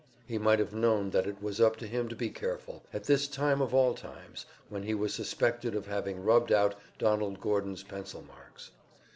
He might have known that it was up to him to be careful, at this time of all times, when he was suspected of having rubbed out Donald Gordon's pencil marks.